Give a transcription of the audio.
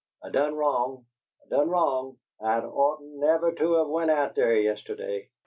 I done wrong I done wrong! I'd oughtn't never to of went out there yesterday."